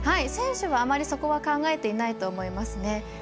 選手は、あまりそこは考えていないと思いますね。